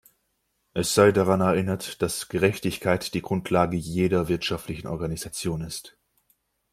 Es sei daran erinnert, dass Gerechtigkeit die Grundlage jeder wirtschaftlichen Organisation ist.